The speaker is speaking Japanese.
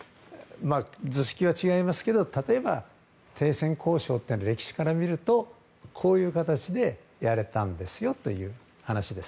図式は違いますけど例えば、停戦交渉というのは歴史から見るとこういう形でやれたんですよという話です。